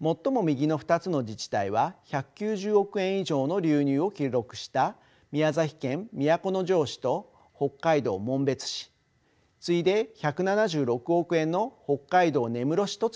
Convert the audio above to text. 最も右の２つの自治体は１９０億円以上の流入を記録した宮崎県都城市と北海道紋別市次いで１７６億円の北海道根室市と続きます。